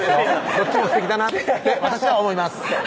どっちもすてきだなって私は思います